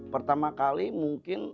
pertama kali mungkin